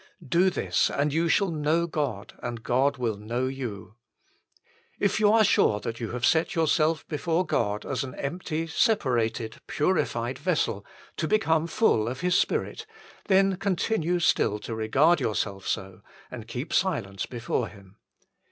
1 Do this, and you shall know God, and God will know you. If you are sure that you have set yourself before God as an empty, separated, purified vessel, to become full of His Spirit, then continue still to regard yourself so and keep silence before Him.